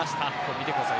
見てください。